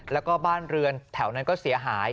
แล้วก็บ้านเรือนแถวนั้นก็เสียหาย